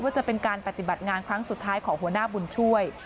จะเป็นการปฏิบัติงานครั้งสุดท้ายของหัวหน้าบุญช่วย